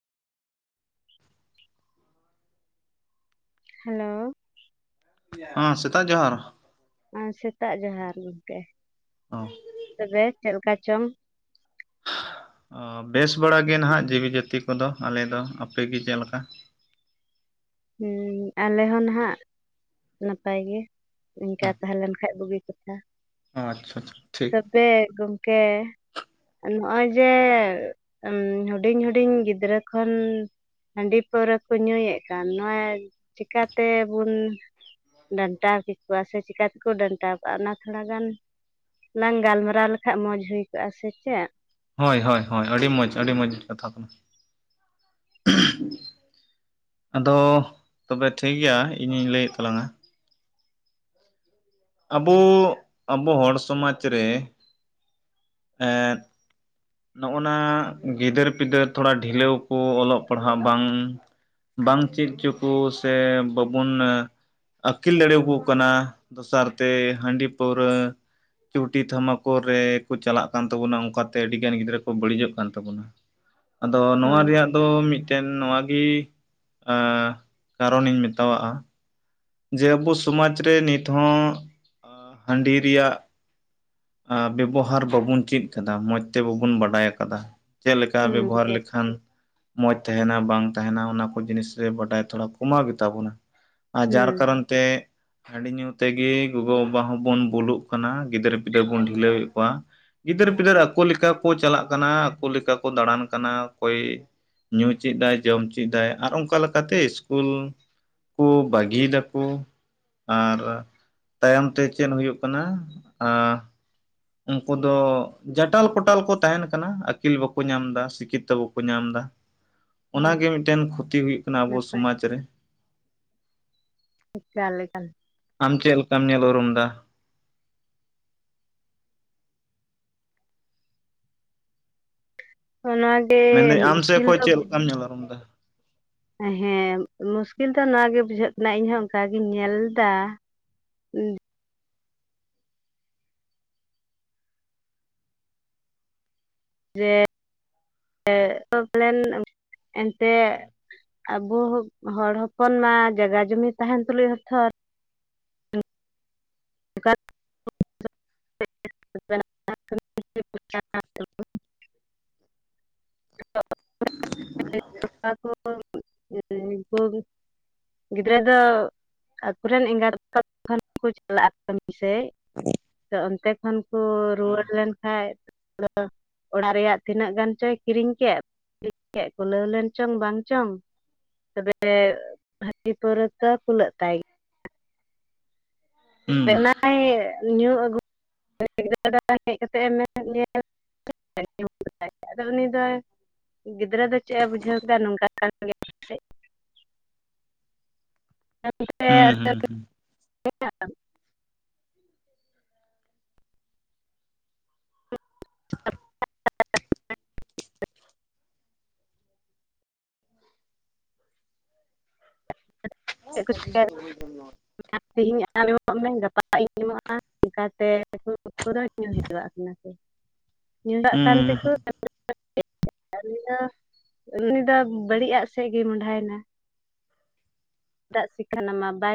Hello. ᱦᱮ ᱥᱮᱛᱟᱜ ᱡᱚᱦᱟᱨ ᱾ ᱟᱨ ᱥᱮᱛᱟᱜ ᱡᱚᱦᱟᱨ ᱜᱚᱝᱠᱮ ᱾ ᱚ᱾ ᱛᱚᱵᱮ ᱪᱮᱫ ᱞᱮᱠᱟ ᱪᱚᱝ? ᱵᱮᱥ ᱵᱟᱲᱟ ᱜᱮ ᱱᱟᱦᱟᱜ ᱡᱤᱣᱤ ᱡᱟᱹᱛᱤ ᱠᱚᱫᱚ ᱟᱞᱮ ᱫᱚ, ᱟᱯᱮᱜᱮ ᱪᱮᱫᱞᱮᱠᱟ? ᱦᱩ ᱟᱞᱮ ᱦᱚᱸ ᱱᱟᱦᱟᱜ ᱱᱟᱯᱟᱭ ᱜᱮ ᱱᱮᱝᱠᱟ ᱛᱟᱦᱮᱸ ᱞᱮᱱ ᱠᱷᱟᱡ ᱵᱩᱜᱤ ᱠᱟᱛᱷᱟ ᱾ ᱚ ᱟᱪᱪᱷᱟ ᱟᱪᱪᱷᱟ ᱴᱷᱤᱠ ᱾ ᱛᱚᱵᱮ ᱜᱚᱢᱠᱮ ᱱᱚᱜᱼᱚᱭ ᱩᱸ ᱡᱮ ᱦᱩᱰᱤᱧ ᱦᱩᱰᱤᱧ ᱜᱤᱫᱽᱨᱟᱹ ᱠᱷᱚᱱ ᱦᱟᱺᱰᱤ ᱯᱟᱹᱣᱨᱟᱹ ᱠᱚ ᱧᱩᱭᱮᱜ ᱠᱟᱱ ᱱᱚᱜ ᱪᱤᱠᱟᱛᱮᱵᱚᱱ ᱰᱟᱱᱴᱟᱣ ᱠᱮᱠᱚᱣᱟ ᱥᱮ ᱪᱤᱠᱟᱛᱮᱠᱚ ᱰᱟᱱᱴᱟᱣ ᱠᱟᱜᱼᱟ ᱚᱱᱟ ᱛᱷᱚᱲᱟ ᱜᱟᱱ ᱞᱟᱝ ᱜᱟᱞᱢᱟᱨᱟᱣ ᱞᱮᱠᱷᱟᱡ ᱢᱚᱸᱡᱽ ᱦᱩᱭ ᱠᱚᱜᱼᱟ ᱥᱮ ᱪᱮᱫ? ᱦᱳᱭ ᱦᱳᱭ ᱦᱳᱭ ᱟᱹᱰᱤ ᱢᱚᱡᱽ ᱟᱹᱰᱤ ᱢᱚᱡᱽ ᱠᱟᱛᱷᱟ ᱠᱟᱱᱟ ᱾ [inaudible] ᱟᱫᱚᱻ ᱛᱚᱵᱮ ᱴᱷᱤᱠ ᱜᱮᱭᱟ ᱤᱧᱤᱧ ᱞᱟᱹᱭᱮᱫ ᱛᱟᱞᱟᱝᱟ ᱟᱵᱚ ᱟᱵᱚ ᱦᱚᱲ ᱥᱚᱢᱟᱡᱽ ᱨᱮ ᱮᱸᱫ ᱱᱚᱜᱼᱚᱱᱟ ᱜᱤᱫᱟᱹᱨ ᱯᱤᱫᱟᱹᱨ ᱛᱷᱚᱲᱟ ᱰᱷᱤᱞᱟᱹᱣ ᱠᱚ ᱚᱞᱚᱜ ᱯᱟᱲᱦᱟᱣ ᱵᱟᱝ ᱵᱟᱝ ᱪᱮᱫ ᱦᱚᱪᱚ ᱠᱚ ᱥᱮ ᱵᱟᱵᱩᱱ ᱮ ᱟᱹᱠᱤᱞ ᱫᱟᱲᱮᱭᱟᱠᱚ ᱠᱟᱱᱟ ᱫᱚᱥᱟᱨ ᱛᱮ ᱦᱟᱺᱰᱤ ᱯᱟᱹᱣᱨᱟᱹ ᱪᱩᱴᱤ ᱛᱷᱟᱢᱟᱠᱨ ᱨᱮ ᱠᱚ ᱪᱟᱞᱟᱜ ᱠᱟᱱ ᱛᱟᱵᱚᱱᱟ ᱚᱱᱠᱟᱛᱮ ᱟᱹᱰᱤ ᱜᱟᱱ ᱜᱤᱫᱽᱨᱟᱹ ᱠᱚ ᱵᱟᱹᱲᱤᱡᱚᱜ ᱠᱟᱱ ᱛᱟᱵᱚᱱᱟ ᱟᱫᱚ ᱱᱚᱣᱟ ᱦᱳᱭ ᱨᱮᱭᱟᱜ ᱫᱚ ᱢᱤᱫᱼᱼ ᱢᱤᱫᱴᱮᱱ ᱱᱚᱣᱟ ᱜᱮ ᱟ ᱠᱟᱨᱚᱱᱤᱧ ᱢᱮᱛᱟᱣᱟᱜᱼᱟ ᱡᱮ ᱟᱵᱚ ᱥᱚᱢᱟᱡᱽ ᱨᱮ ᱱᱤᱛ ᱦᱚᱸ ᱟ ᱦᱟᱺᱰᱤ ᱨᱮᱭᱟᱜ ᱟᱸ ᱵᱮᱵᱚᱦᱟᱨ ᱵᱟᱵᱩᱱ ᱪᱮᱫ ᱟᱠᱟᱫᱟ ᱢᱚᱸᱡᱽ ᱛᱮ ᱵᱟᱵᱩᱱ ᱵᱟᱰᱟᱭ ᱟᱠᱟᱫᱟ ᱪᱮᱫ ᱞᱮᱠᱟ ᱦᱩᱸ ᱵᱮᱵᱚᱦᱟᱨ ᱵᱮᱥ ᱞᱮᱠᱷᱟᱱ ᱴᱷᱤᱠ, ᱢᱚᱸᱡᱽ ᱛᱟᱦᱮᱱᱟ ᱵᱟᱝ ᱛᱟᱦᱮᱱᱟ ᱚᱱᱟ ᱠᱚ ᱡᱤᱱᱤᱥ ᱨᱮ ᱵᱟᱰᱟᱭ ᱛᱷᱚᱲᱟ ᱠᱚᱢᱟᱣ ᱜᱮᱛᱟ ᱵᱚᱱᱟ ᱟᱨ ᱡᱟᱨ ᱦᱩᱸ ᱠᱟᱨᱚᱱ ᱛᱮ ᱦᱟᱺᱰᱤ ᱧᱩ ᱛᱮᱜᱮ ᱜᱚᱜᱚᱼᱵᱟᱵᱟ ᱦᱚᱸᱵᱚᱱ ᱵᱩᱞᱩᱜ ᱠᱟᱱᱟ ᱜᱤᱫᱟᱹᱨᱼ ᱯᱤᱫᱟᱹᱨ ᱵᱚᱱ ᱰᱷᱤᱞᱟᱹᱣᱮᱫ ᱠᱚᱣᱟ ᱜᱤᱫᱟᱹᱨ ᱯᱤᱫᱟᱹᱨ ᱟᱠᱚ ᱞᱮᱠᱟ ᱠᱚ ᱪᱟᱞᱟᱜ ᱠᱟᱱᱟ ᱟᱠᱚ ᱞᱮᱠᱟ ᱠᱚ ᱫᱟᱲᱟᱱ ᱠᱟᱱᱟ ᱚᱠᱚᱭ ᱧᱩ ᱪᱮᱫ ᱫᱟᱭ ᱡᱚᱢ ᱪᱮᱫ ᱫᱟᱭ ᱟᱨ ᱚᱱᱠᱟ ᱞᱮᱠᱟᱛᱮ ᱤᱥᱠᱩᱞ ᱠᱚ ᱵᱟᱹᱜᱤᱭ ᱫᱟᱠᱚ ᱠᱚ ᱟᱨ ᱛᱟᱭᱚᱢ ᱛᱮ ᱪᱮᱫ ᱦᱩᱭᱩᱜ ᱠᱟᱱᱟ ᱟᱸ ᱩᱱᱠᱩ ᱫᱚ ᱡᱟᱴᱟᱞ ᱯᱚᱴᱟᱞ ᱠᱚ ᱛᱟᱦᱮᱱ ᱠᱟᱱᱟ ᱟᱹᱠᱤᱞ ᱵᱟᱠᱚ ᱧᱟᱢ ᱫᱟ ᱥᱤᱠᱠᱷᱤᱛᱚ ᱵᱟᱠᱚ ᱧᱟᱢ ᱮᱫᱟ। [unintelligible] ᱚᱱᱟᱜᱮ ᱢᱤᱫᱴᱮᱱ ᱠᱷᱚᱛᱤ ᱦᱩᱭᱩᱜ ᱠᱟᱱᱟ ᱟᱵᱚ ᱱᱟᱯᱟᱭ ᱥᱚᱢᱟᱡᱽ ᱨᱮ ᱮᱠᱟᱞ ᱮᱠᱟᱞ ᱟᱢ ᱪᱮᱫ ᱞᱮᱠᱟᱢ ᱧᱮᱞ ᱩᱨᱩᱢ ᱫᱟ? ᱚᱱᱟ ᱜᱮ ᱢᱮᱱᱫᱟᱹᱧ ᱟᱢ ᱥᱮᱫ ᱢᱩᱥᱠᱤᱞ ᱠᱷᱚᱡ ᱫᱚ ᱪᱮᱫ ᱵᱩᱼᱼ ᱞᱮᱠᱟᱢ ᱧᱮᱞ ᱩᱨᱩᱢ ᱫᱟ ᱦᱮᱸ ᱢᱩᱥᱠᱤᱞ ᱫᱚ ᱱᱚᱣᱟ ᱜᱮ ᱵᱩᱡᱷᱟᱹᱜ ᱠᱟᱱᱟ ᱤᱧᱦᱚᱸ ᱚᱱᱠᱟ ᱜᱤᱧ ᱧᱮᱞ ᱫᱟ ᱩᱸ ᱡᱮ ᱡᱮ [inaudible] ᱯᱞᱮᱱ ᱮᱱᱛᱮ ᱟᱵᱚ ᱦᱚᱲ ᱦᱚᱯᱚᱱ ᱢᱟ ᱡᱟᱜᱟ ᱡᱚᱢᱤ ᱛᱟᱦᱮᱱ ᱛᱩᱞᱩᱡ ᱦᱚᱛᱚᱨ ᱠᱟ [inaudible] [inaudible] [inaudible] [inaudible] ᱜᱤᱫᱽᱨᱟᱹ ᱫᱚ ᱟᱠᱚ ᱨᱮᱱ ᱮᱸᱜᱟᱛ ᱟᱯᱟᱛ ᱠᱷᱟᱱ ᱠᱚ ᱪᱟᱞᱟᱜᱼᱟ ᱠᱟᱹᱢᱤ ᱥᱮᱡ ᱛᱚ ᱚᱱᱛᱮ ᱠᱷᱚᱱ ᱠᱚ ᱦᱩᱸ ᱨᱩᱣᱟᱹᱲ ᱞᱮᱱᱠᱷᱟᱡ [inaudible] ᱚᱲᱟᱜ ᱨᱮᱭᱟᱜ ᱛᱤᱱᱟᱹᱜ ᱜᱟᱱ ᱪᱚᱭ ᱠᱤᱨᱤᱧ ᱠᱮᱫ [inaudible] ᱠᱮᱫ ᱠᱩᱞᱟᱹᱣ ᱞᱮᱱ ᱪᱚᱝ ᱵᱟᱝ ᱪᱚᱝ ᱛᱚᱵᱮ ᱦᱟᱸᱰᱤ ᱯᱟᱹᱣᱨᱟᱹ ᱫᱚ ᱠᱩᱞᱟᱹᱜ ᱛᱟᱭ ᱜᱮ ᱦᱩᱸ ᱚᱱᱟᱭ ᱜᱮ ᱧᱩ ᱟᱹᱜᱩ [inaudible] ᱜᱤᱫᱽᱨᱟᱹ ᱦᱮᱡ ᱠᱟᱛᱮᱫ ᱢᱮᱱ ᱧᱮᱞ [inaudible] ᱟᱫᱚ ᱩᱱᱤ ᱫᱚᱭ ᱜᱤᱫᱽᱨᱟᱹ ᱫᱚ ᱪᱮᱫ ᱮ ᱵᱩᱡᱷᱟᱹᱣ ᱠᱮᱫᱟ ᱱᱚᱝᱠᱟ ᱠᱟᱱ ᱜᱮ ᱯᱟᱥᱮᱡ ᱦᱩᱸ ᱦᱩᱸ [inaudible] ᱦᱩᱸ [inaudible] ᱟᱢ ᱛᱮᱦᱮᱧ ᱟᱢ ᱮᱢᱚᱜ ᱢᱮ ᱜᱟᱯᱟ ᱤᱧ ᱮᱢᱚᱜᱼᱟ ᱚᱱᱠᱟᱛᱮ ᱧᱩ ᱦᱤᱡᱣᱟᱜ ᱠᱟᱱᱟ ᱠᱚ ᱧᱩ ᱠᱟᱜ ᱠᱟᱱ ᱦᱩᱸ ᱛᱮᱠᱚ ᱦᱩᱸ [inaudible] ᱩᱱᱤ ᱫᱚ ᱩᱱᱤ ᱫᱚ ᱵᱟᱹᱲᱤᱡ ᱟᱜ ᱥᱮᱫ ᱜᱮ ᱢᱚᱦᱚᱰᱟᱭᱮᱱᱟ ᱫᱟᱜ ᱥᱤᱠᱷᱟᱱᱟ ᱢᱟ ᱵᱟᱭ